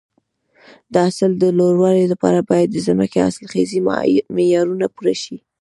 د حاصل د لوړوالي لپاره باید د ځمکې حاصلخیزي معیارونه پوره شي.